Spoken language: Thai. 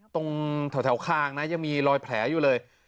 ตรงแถวคางนะยังมีรอยแผลอยู่เลย